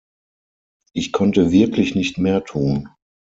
Ich konnte wirklich nicht mehr tun.